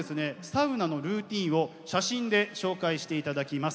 サウナのルーティーンを写真で紹介して頂きます。